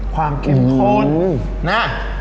ความเข็มขนฮืมนะ